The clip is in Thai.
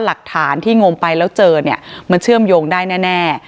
หลักฐานที่งมไปแล้วเจอเนี่ยมันเชื่อมโยงได้แน่